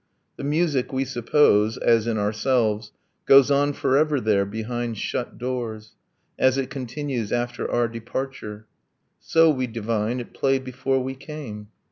The music, we suppose, (as in ourselves) Goes on forever there, behind shut doors, As it continues after our departure, So, we divine, it played before we came